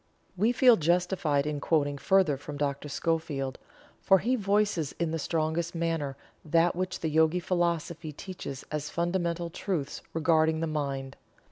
We feel justified in quoting further from Dr. Schofield, for he voices in the strongest manner that which the Yogi Philosophy teaches as fundamental truths regarding the mind.